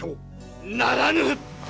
ならぬ！